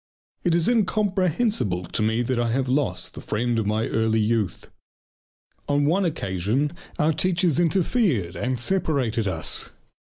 It is incomprehensible to me that I have lost the friend of my early youth. On one occasion our teachers interfered and separated us.